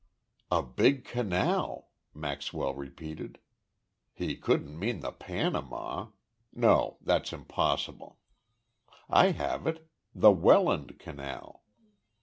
"A big canal!" Maxwell repeated. "He couldn't mean the Panama! No, that's impossible. I have it! The Welland Canal!"